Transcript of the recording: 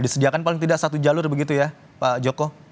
disediakan paling tidak satu jalur begitu ya pak joko